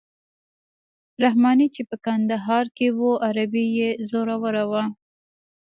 رحماني چې په کندهار کې وو عربي یې زوروره وه.